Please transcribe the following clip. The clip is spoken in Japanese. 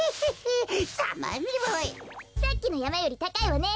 さっきのやまよりたかいわね。